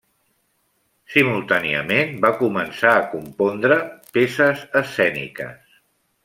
Simultàniament, va començar a compondre peces escèniques.